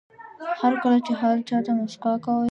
هر کله چې هر چا ته موسکا کوئ.